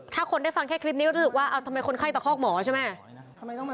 ถ้าคนได้ฟังแค่คลิปนี้ก็รู้สึกว่าทำไมคนไข้ตะคอกหมอใช่ไหม